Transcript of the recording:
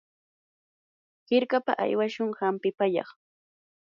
hirkapa aywashun hampi pallaq.